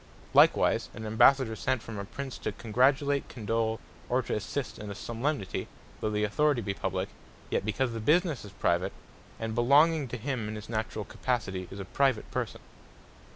Likewise, an Ambassador sent from a Prince, to congratulate, condole, or to assist at a solemnity, though Authority be Publique; yet because the businesse is Private, and belonging to him in his naturall capacity; is a Private person.